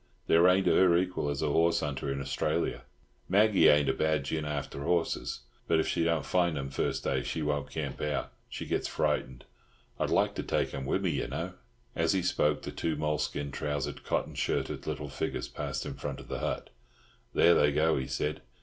There ain't her equal as a horse hunter in Australia. Maggie ain't a bad gin after horses, but if she don't find 'em first day, she won't camp out—she gets frightened. I'd like to take 'em with me, yer know." As he spoke the two moleskin trousered, cotton shirted little figures passed in front of the hut. "There they go," he said.